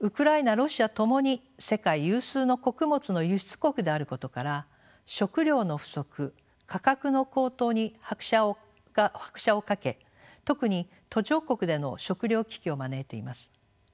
ロシアともに世界有数の穀物の輸出国であることから食糧の不足価格の高騰に拍車をかけ特に途上国での食料危機を招いています。